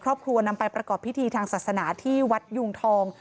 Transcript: ครอบครัวนำไปประกอบพิธีทางศาสนาที่วัดยุงทอง